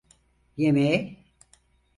Yemeğe.